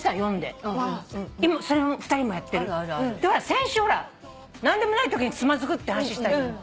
先週ほら何でもないときにつまずくって話したじゃない。